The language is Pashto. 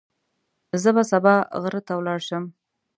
زه به سبا غر ته ولاړ شم.